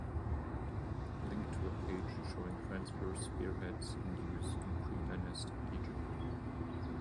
Link to a page showing transverse spearheads in use in pre-dynastic Egypt.